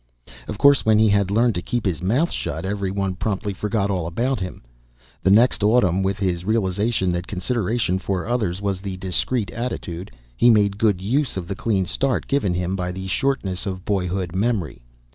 Of course when he had learned to keep his mouth shut every one promptly forgot all about him. The next autumn, with his realization that consideration for others was the discreet attitude, he made good use of the clean start given him by the shortness of boyhood memory.